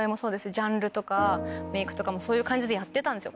ジャンルとかメイクとかもそういう感じでやってたんですよ